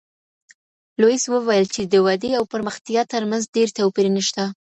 لویس وویل چی د ودي او پرمختیا ترمنځ ډېر توپیر نشته.